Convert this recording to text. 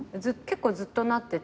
結構ずっとなってて。